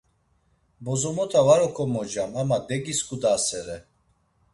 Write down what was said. Bozomota var okomocam ama degisǩudasere.